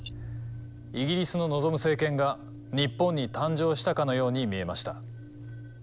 イギリスの望む政権が日本に誕生したかのように見えました。